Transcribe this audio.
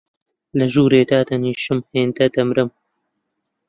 لە ژوورێ دادەنیشم هێندە، دەمرم